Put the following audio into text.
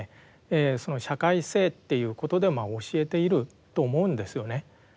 社会性っていうことでまあ教えていると思うんですよね。